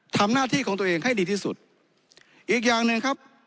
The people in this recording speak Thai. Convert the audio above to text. ทำหน้าที่ของตัวเองให้ดีที่สุดอีกอย่างหนึ่งครับ